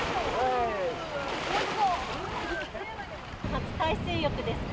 初海水浴ですか？